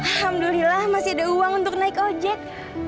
alhamdulillah masih ada uang untuk naik ojek